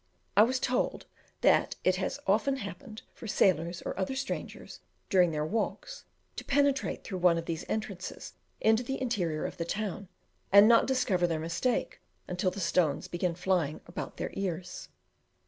I was told that it has often happened for sailors, or other strangers, during their walks, to penetrate through one of these entrances into the interior of the town, and not discover their mistake until the stones began flying about their ears.